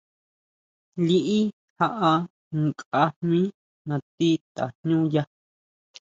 Liʼí jaʼa nkʼa jmí nati tajñúya.